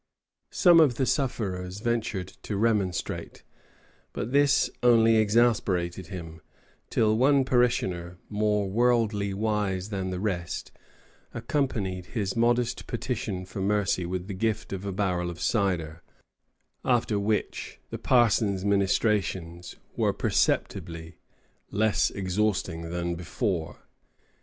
Some of the sufferers ventured to remonstrate; but this only exasperated him, till one parishioner, more worldly wise than the rest, accompanied his modest petition for mercy with the gift of a barrel of cider, after which the Parson's ministrations were perceptibly less exhausting than before.